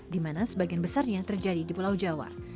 di mana sebagian besarnya terjadi di pulau jawa